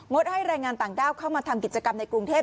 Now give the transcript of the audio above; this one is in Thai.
ดให้แรงงานต่างด้าวเข้ามาทำกิจกรรมในกรุงเทพ